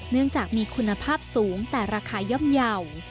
เนื่องจากมีคุณภาพสูงแต่ราคาย่อมเยาว์